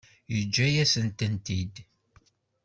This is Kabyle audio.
Yeǧǧa-yas-tent-id.